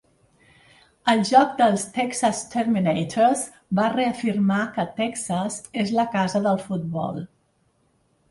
El joc dels Texas Terminators va reafirmar que Texas és la casa del futbol.